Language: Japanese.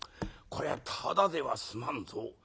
こりゃただでは済まんぞ。